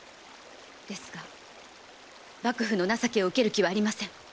ですが幕府の情けを受ける気はありません。